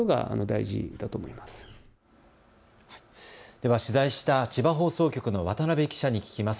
では取材した千葉放送局の渡辺記者に聞きます。